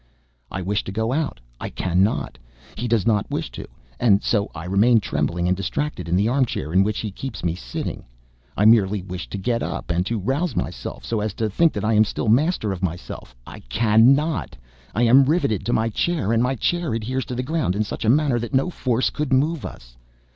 I wish to go out; I cannot. He does not wish to, and so I remain, trembling and distracted, in the armchair in which he keeps me sitting. I merely wish to get up and to rouse myself, so as to think that I am still master of myself: I cannot! I am riveted to my chair, and my chair adheres to the ground in such a manner that no force could move us.